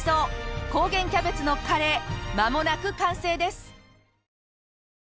高原キャベツのカレーまもなく完成です！